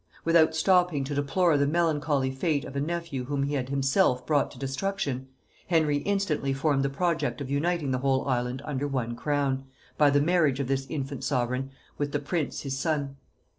Without stopping to deplore the melancholy fate of a nephew whom he had himself brought to destruction, Henry instantly formed the project of uniting the whole island under one crown, by the marriage of this infant sovereign with the prince his son.